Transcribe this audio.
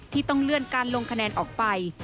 ที่ต้องเลื่อนการลงคะแนนออกไป